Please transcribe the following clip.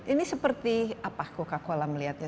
ini seperti apa coca cola melihatnya